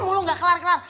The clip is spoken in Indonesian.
mulu gak kelar kelar